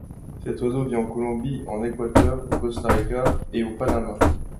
Cet oiseau vit en Colombie, en Équateur, au Costa Rica et au Panama.